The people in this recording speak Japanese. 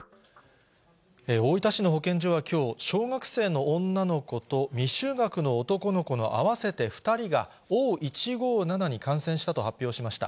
大分市の保健所はきょう、小学生の女の子と未就学の男の子の合わせて２人が、Ｏ１５７に感染したと発表しました。